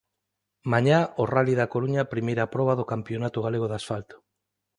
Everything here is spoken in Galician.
Mañá o Ralli da Coruña, primeira proba do campionato galego de asfalto.